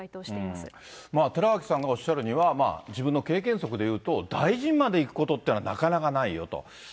まあ、寺脇さんがおっしゃるには、自分の経験則でいうと、大臣までいくことっていうのは、なかなかないよと。